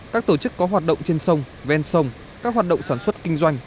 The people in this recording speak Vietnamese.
các tổ chức có hoạt động trên sông ven sông các hoạt động sản xuất kinh doanh